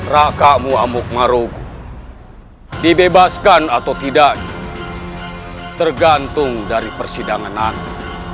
rakamu amuk marug dibebaskan atau tidak tergantung dari persidangan aku